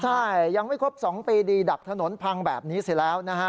ใช่ยังไม่ครบ๒ปีดีดักถนนพังแบบนี้เสร็จแล้วนะฮะ